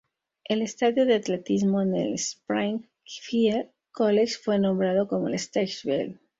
El estadio de atletismo en el Springfield College fue nombrado como el Stagg Field.